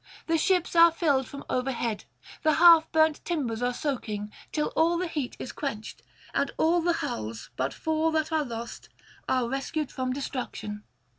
The ships are filled from overhead, the half burnt timbers are soaking; till all the heat is quenched, and all the hulls, but four that are lost, are rescued from destruction.